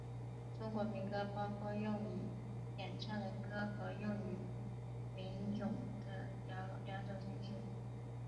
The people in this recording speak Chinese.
中国民歌包括用以演唱的歌和用于吟诵的谣两种形式。